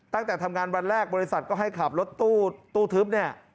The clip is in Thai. ตั้งแต่ทำงานวันแรกบริษัทก็ให้ขับรถตู้ทึบเนี่ย